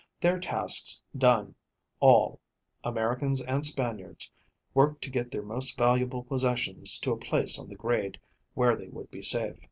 Their tasks done, all Americans and Spaniards worked to get their most valuable possessions to a place on the grade were they would be safe.